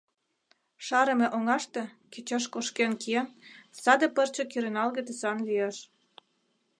Шарыме оҥаште, кечеш кошкен киен, саде пырче кӱреналге тӱсан лиеш.